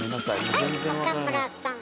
はい岡村さん